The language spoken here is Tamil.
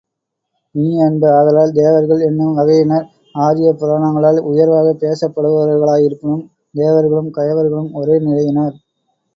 இனிய அன்ப, ஆதலால் தேவர்கள் என்னும் வகையினர் ஆரியப்புராணங்களால் உயர்வாகப் பேசப் படுவர்களாயிருப்பினும் தேவர்களும், கயவர்களும் ஒரே நிலையினர்.